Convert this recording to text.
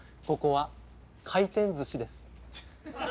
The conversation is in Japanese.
ここは回転ずしです。